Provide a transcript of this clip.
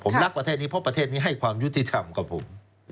ผมรักประเทศนี้เพราะประเทศนี้ให้ความยุติธรรมกับผม